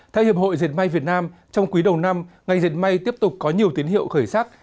theo hiệp hội diệt may việt nam trong quý đầu năm ngành diệt may tiếp tục có nhiều tiến hiệu khởi sắc